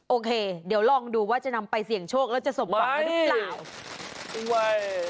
โอเคเดี๋ยวลองดูว่าจะนำไปเสี่ยงโชคแล้วจะสมหวังกันหรือเปล่า